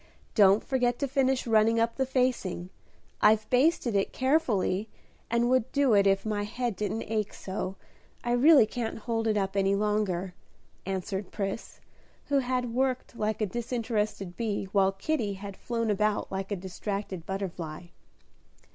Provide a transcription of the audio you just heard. Don't forget to finish running up the facing; I've basted it carefully, and would do it if my head didn't ache so, I really can't hold it up any longer," answered Pris, who had worked like a disinterested bee, while Kitty had flown about like a distracted butterfly.